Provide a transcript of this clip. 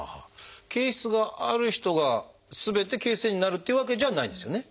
憩室がある人がすべて憩室炎になるっていうわけじゃないんですよね？